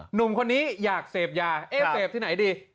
หนุ่มคนนี้อยากเสพยาเอ๊ะเสพที่ไหนดี